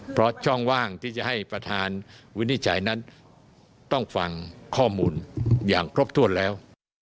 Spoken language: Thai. เพราะช่องว่างที่จะให้ประธานวินิจฉัยนั้นต้องฟังข้อมูลอย่างครบถ้วนแล้ว